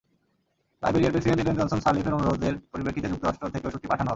লাইবেরিয়ার president Ellen Johnson সার্লিফের অনুরোধের পরিপ্রেক্ষিতে যুক্তরাষ্ট্র থেকে ওষুধটি পাঠানো হবে।